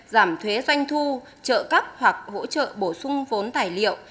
giảm thuế doanh thu trợ cấp hoặc hỗ trợ bổ sung vốn tài liệu